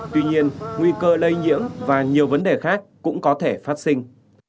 tuy nhiên nguy cơ lây nhiễm và nhiều vấn đề khác cũng có thể phát sinh